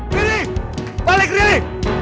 riri balik riri